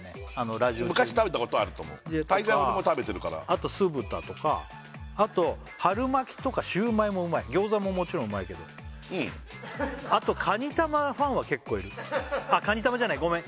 ラジオ昔食べたことはあると思う大概俺も食べてるからあと酢豚とかあと春巻とかシューマイもうまい餃子ももちろんうまいけどうんあとカニ玉ファンは結構いるカニ玉じゃないごめん